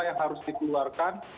yang harus dikeluarkan